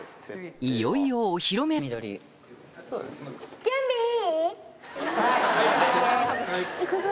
いよいよお披露目行くぞ！